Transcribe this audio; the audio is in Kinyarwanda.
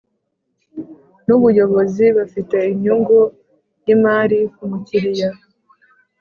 N ubuyobozi bafite inyungu y imari ku mukiriya